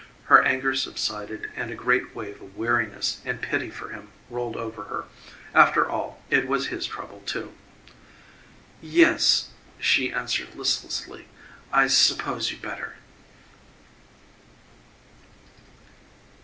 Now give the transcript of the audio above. Her anger subsided and a great wave of weariness and pity for him rolled over her. After all, it was his trouble, too. "Yes," she answered listlessly, "I suppose you'd better."